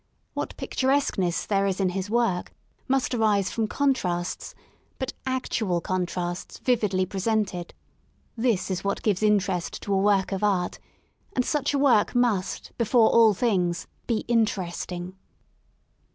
What picturesqueness there is in his work must arise from contrasts — but actual contrasts vividly presented. This is what gives interest to a work of art; and such a work must, before all things, be interesting.